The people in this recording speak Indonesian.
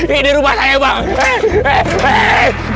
ini rumah saya bang